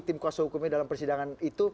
tim kuasa hukumnya dalam persidangan itu